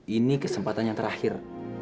ini kesempatan yang terakhir